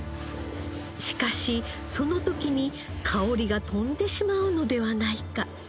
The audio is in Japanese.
しかしその時に香りが飛んでしまうのではないか？